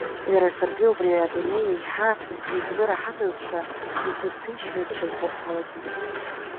Иара саргьы, убри адунеи еиҳа исзыраҳаҭызшәа, исызҭынчразшәа збо салагеит.